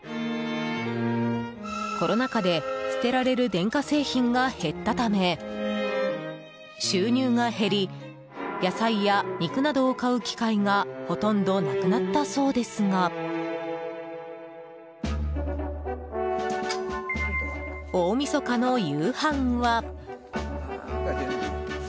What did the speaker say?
コロナ禍で捨てられる電化製品が減ったため、収入が減り野菜や肉などを買う機会がほとんどなくなったそうですが大みそかの夕飯は。